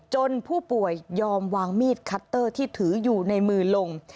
ผู้ป่วยยอมวางมีดคัตเตอร์ที่ถืออยู่ในมือลง